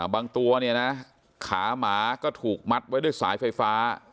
ตัวเนี่ยนะขาหมาก็ถูกมัดไว้ด้วยสายไฟฟ้า